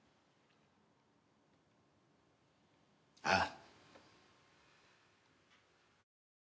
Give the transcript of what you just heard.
ああ。